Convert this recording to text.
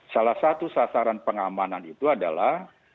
salah satu sasaran pengamanan itu adalah